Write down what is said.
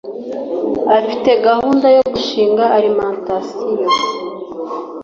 afite gahunda yo gushinga alimentation